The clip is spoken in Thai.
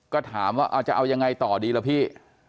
ก็ถามว่าจะเอายังไงต่อดีล่ะพี่